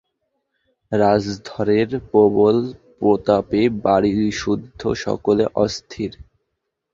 রাজধরের প্রবল প্রতাপে বাড়িসুদ্ধ সকলে অস্থির।